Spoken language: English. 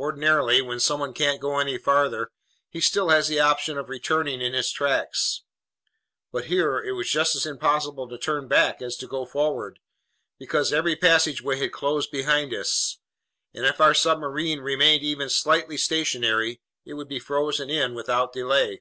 Ordinarily, when someone can't go any farther, he still has the option of returning in his tracks. But here it was just as impossible to turn back as to go forward, because every passageway had closed behind us, and if our submersible remained even slightly stationary, it would be frozen in without delay.